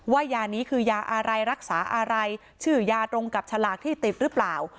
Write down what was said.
ยานี้คือยาอะไรรักษาอะไรชื่อยาตรงกับฉลากที่ติดหรือเปล่า